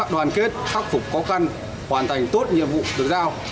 đoàn kết khắc phục khó khăn hoàn thành tốt nhiệm vụ được giao